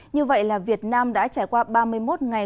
như vậy là việt nam đã trải qua ba mươi một ngày